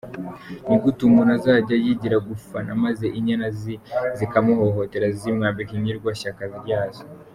Ni gute umuntu azajya yigira gufana maze inyana z’….. zikamuhohotera zimwambika ingirwa shyaka ryazo?